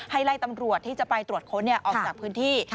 ไล่ตำรวจที่จะไปตรวจค้นออกจากพื้นที่